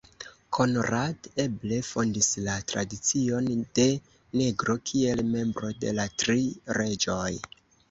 Konrad eble fondis la tradicion de negro kiel membro de la Tri Reĝoj.